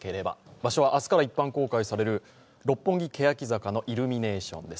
場所は明日から一般公開される六本木・けやき坂のイルミネーションです。